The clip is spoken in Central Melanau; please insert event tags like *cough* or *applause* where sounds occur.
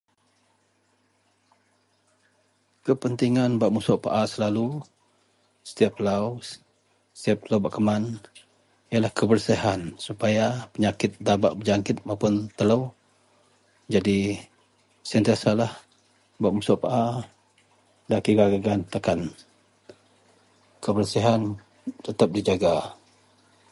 *noise* Kepentingan bak musok paa selalu setiep lau setiep telou bak keman yenlah kebersihan supaya penyakit nda bak berjangkit mapun telou. Jadi sentiasalah bak musok paa nda kira gak gaan takan. Kebersihan tetiep dijaga.